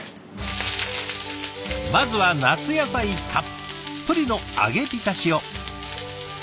まずは夏野菜たっぷりの揚げびたしを。